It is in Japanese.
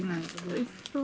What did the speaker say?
・おいしそう。